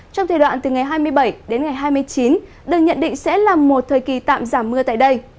trong thời đoạn từ ngày hai mươi bảy đến ngày hai mươi chín được nhận định sẽ là một thời kỳ tạm giảm mưa tại đây